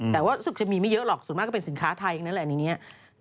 แต่ว่าจะมีไม่เยอะหรอกส่วนมากก็เป็นสินค้าไทยอย่างนั้นแหละ